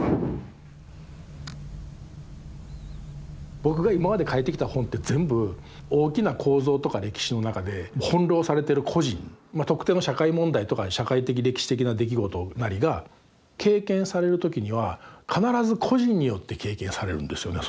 僕が今まで書いてきた本って全部大きな構造とか歴史の中で翻弄されてる個人まあ特定の社会問題とか社会的歴史的な出来事なりが経験される時には必ず個人によって経験されるんですよねそれがね。